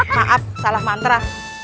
maaf salah mantra